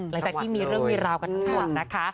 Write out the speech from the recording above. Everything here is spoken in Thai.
หลังจากที่มีเรื่องมีราวกันทั้งหมดนะคะ